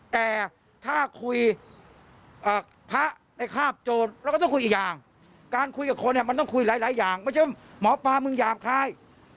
แต่ถ้าคุยพระในคาบโจรเราก็ต้องคุยอีกอย่างการคุยกับคนเนี่ยมันต้องคุยหลายอย่างไม่ใช่หมอปลามึงหยาบคาย